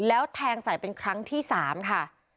แล้วแทงใส่เป็นครั้งที่๓ค่ะ